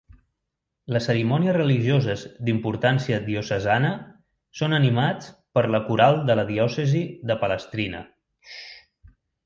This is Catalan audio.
Les cerimònies religioses d'importància diocesana són animats per la coral de la Diòcesi de Palestrina.